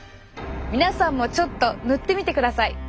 皆さんもちょっと塗ってみてください。